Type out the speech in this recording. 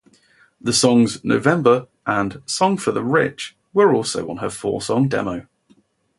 The songs "November" and "Song for the Rich" were also on her four-song demo.